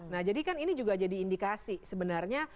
nah jadi kan ini juga jadi indikasi sebenarnya